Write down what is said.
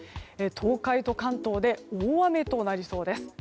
東海と関東で大雨となりそうです。